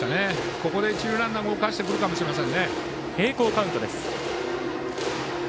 ここで一塁ランナーを動かしてくるかもしれません。